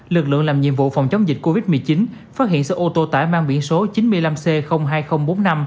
lực lượng làm nhiệm vụ phòng chống dịch covid một mươi chín phát hiện xe ô tô tải mang biển số chín mươi năm c hai nghìn bốn mươi năm